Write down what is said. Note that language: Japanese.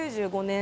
９５年！